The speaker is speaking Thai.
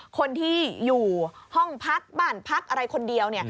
คนที่อยู่ห้องพักบ้านพักอะไรคนเดียว